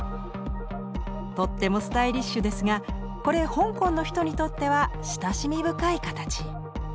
とってもスタイリッシュですがこれ香港の人にとっては親しみ深い形。